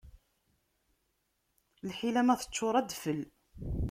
Lḥila ma teččuṛ, ad d-tfel.